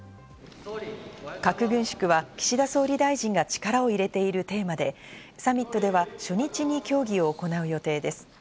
核軍縮は岸田総理大臣が力を入れているテーマで、サミットでは初日に協議を行う予定です。